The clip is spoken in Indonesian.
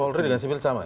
polri dengan sipil sama